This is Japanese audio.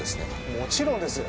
もちろんです！